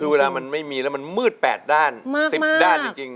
คือเวลามันไม่มีแล้วมันมืด๘ด้าน๑๐ด้านจริง